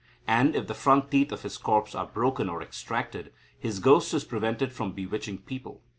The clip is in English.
And, if the front teeth of his corpse are broken or extracted, his ghost is prevented from bewitching people.